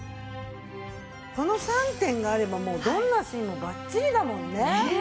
この３点があればどんなシーンもバッチリだもんね。